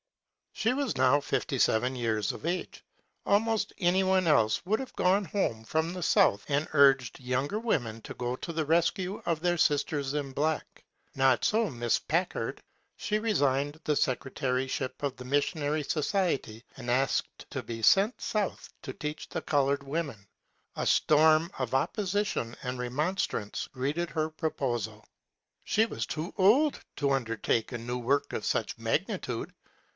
She was now fifty seven years of age. Al» most anyone else would have gone home from the south and urged younger women ta go to the rescue of their "sisters in black.'* Not so Miss Packard. She resigned the sec ^ r^taryship of the Missionary Society and asked to be sent south to teach the colored women. A storm of ^j^li^tion and remon Woman's Council Table. 346 A NOBLE LIFE WORK AFTER FIFTYSE VEN. strance greeted her proposal. She was too old to undertake a new work of snch magni tude.